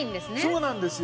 そうなんですよ。